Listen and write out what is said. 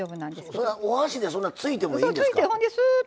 それはお箸でそんな突いてもいいんですか。